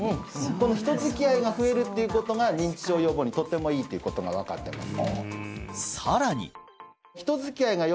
この人づきあいが増えるっていうことが認知症予防にとてもいいということが分かってます